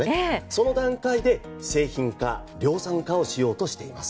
その段階で製品化、量産化をしようとしています。